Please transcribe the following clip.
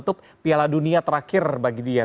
dan juga menutup piala dunia terakhir bagi dia